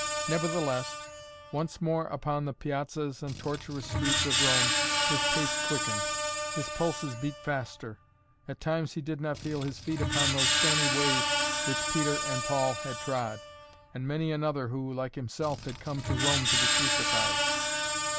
Nevertheless, once more upon the piazzas and tortuous streets of Rome, his pace quickened. His pulses beat faster. At times he did not feel his feet upon those stony ways which Peter and Paul had trod, and many another who, like himself, had come to Rome to be crucified.